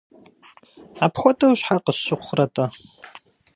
Апхуэдэу щхьэ къысщыхъурэ-тӏэ?